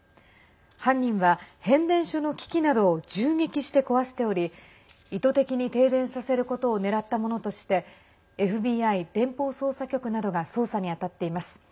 犯人は変電所の機器などを銃撃して壊しており意図的に停電させることをねらったものとしてＦＢＩ＝連邦捜査局などが捜査に当たっています。